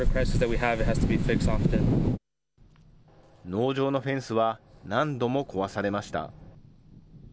農場のフェンスは何度も壊されました。